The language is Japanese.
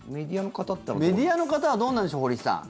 メディアの方はどうなんでしょう堀さん。